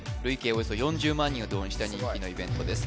およそ４０万人を動員した人気のイベントです